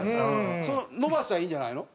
伸ばしたらいいんじゃないの？